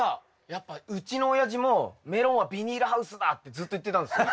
やっぱうちの親父もメロンはビニールハウスだってずっと言ってたんすよ。